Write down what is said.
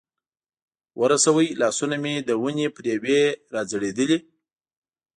ورساوه، لاسونه مې د ونې پر یوې را ځړېدلې.